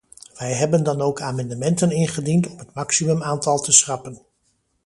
Wij hebben dan ook amendementen ingediend om het maximumaantal te schrappen.